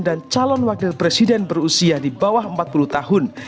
calon wakil presiden berusia di bawah empat puluh tahun